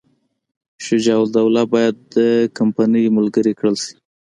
شجاع الدوله باید د کمپنۍ ملګری کړل شي.